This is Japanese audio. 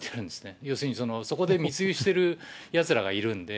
要するにそこで密輸してるやつらがいるんで。